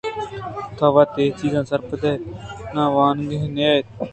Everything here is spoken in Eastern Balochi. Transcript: تو وت اے چیزاں سرپد اِت نا وانندگیں نئے اِت